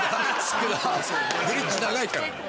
ブリッジ長いから。